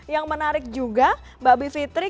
yang menarik juga mbak bivitri